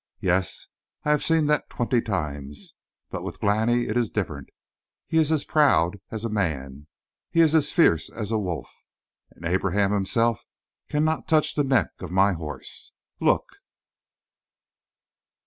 Yes, I have seen that twenty times. But with Glani it is different. He is as proud as a man; he is fierce as a wolf; and Abraham himself cannot touch the neck of my horse. Look!"